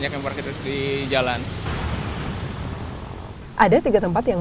bagaimana perjalanan ini